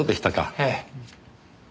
ええ。